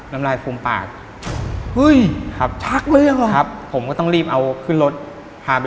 แล้วก็ไปหาหมอแล้ว